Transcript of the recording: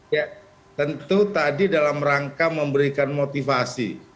ya tentu tadi dalam rangka memberikan motivasi